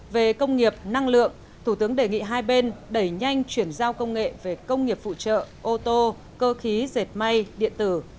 về công nghiệp năng lượng thủ tướng đề nghị hai bên đẩy nhanh chuyển giao công nghệ về công nghiệp phụ trợ ô tô cơ khí dệt may điện tử